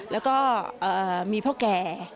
แล้วก็มีพ่อแก่